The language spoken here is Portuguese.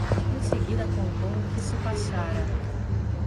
Em seguida contou o que se passara.